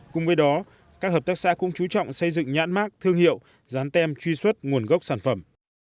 cùng với đó các hợp tác xã cũng chú trọng xây dựng nhãn mát thương hiệu dán tem truy xuất nguồn gốc sản phẩm